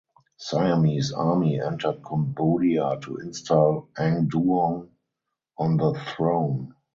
Siamese army entered Cambodia to install Ang Duong on the throne.